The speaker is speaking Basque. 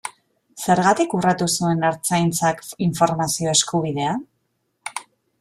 Zergatik urratu zuen Ertzaintzak informazio eskubidea?